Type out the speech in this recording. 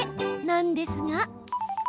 なんですが。